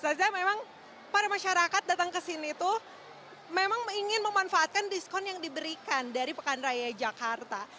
sahzai memang para masyarakat datang kesini itu memang ingin memanfaatkan diskon yang diberikan dari pekaraya jakarta